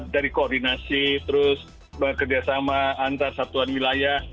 dari koordinasi terus bekerjasama antar satuan wilayah